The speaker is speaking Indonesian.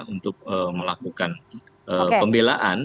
untuk melakukan pembelaan